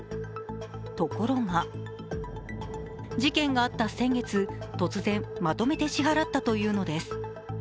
ところが、事件があった先月、突然まとめて支払ったというのです。